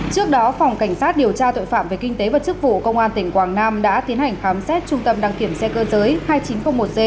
trước đó phòng cảnh sát điều tra tội phạm về kinh tế và chức vụ công an tỉnh quảng nam đã tiến hành khám xét trung tâm đăng kiểm xe cơ giới hai nghìn chín trăm linh một g